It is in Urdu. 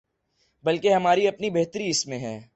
بلکہ ہماری اپنی بہتری اسی میں ہے۔